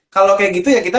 kalau kayak gitu ya